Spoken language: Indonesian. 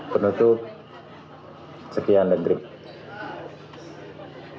penutup sekian dan terima kasih